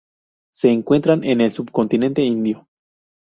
Se encuentran en el subcontinente Indio.